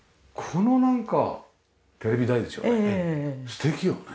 素敵よね。